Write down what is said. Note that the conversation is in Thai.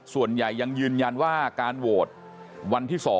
ส่วนใหญ่ยังยืนยันว่าการโหวตวันที่๒